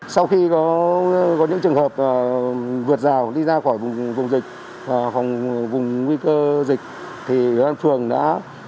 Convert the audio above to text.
sau khi có những trường hợp vượt rào đi ra khỏi vùng dịch và vùng nguy cơ dịch thì ủy ban phường đã